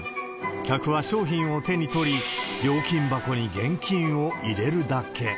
客は商品を手に取り、料金箱に現金を入れるだけ。